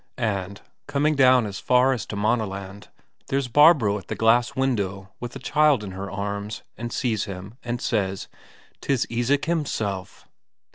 And, coming down as far as to Maaneland, there's Barbro at the glass window with a child in her arms, and sees him, and says: "'Tis Isak himself!"